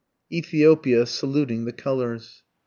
ETHIOPIA SALUTING THE COLOURS.